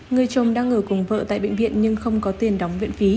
người chồng đang ở cùng vợ tại bệnh viện nhưng không có tiền đóng viện phí